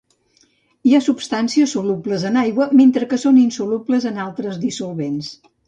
Hi ha substàncies solubles en aigua mentre que són insolubles en altres dissolvents.